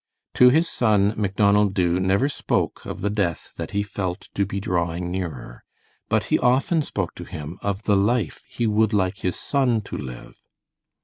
To his son, Macdonald Dubh never spoke of the death that he felt to be drawing nearer, but he often spoke to him of the life he would like his son to live.